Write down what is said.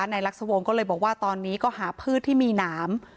ลักษวงศ์ก็เลยบอกว่าตอนนี้ก็หาพืชที่มีหนาม